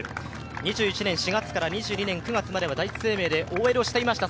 ２１年４月から２２年９月までは第一生命でＯＬをしていました。